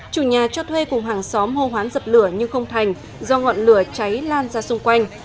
chủ nhà cho thuê cùng hàng xóm hô hoán dập lửa nhưng không thành do ngọn lửa cháy lan ra xung quanh